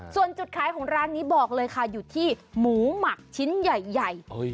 ส่วนจุดขายของร้านนี้บอกเลยค่ะอยู่ที่หมูหมักชิ้นใหญ่